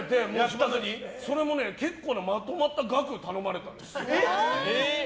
それもね、結構なまとまった額を頼まれたんですよ。